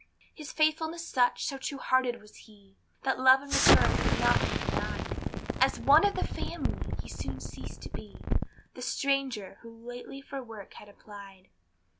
His faithfulness such, so true hearted was he, That love in return could not be denied; As one of the family he soon ceased to be The stranger, who lately for work had applied.